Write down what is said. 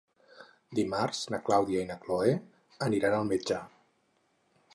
Dimarts na Clàudia i na Cloè aniran al metge.